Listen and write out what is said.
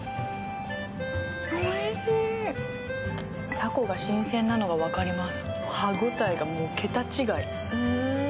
たこが新鮮なのが分かります。